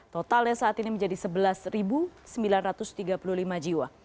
totalnya saat ini menjadi sebelas sembilan ratus tiga puluh lima jiwa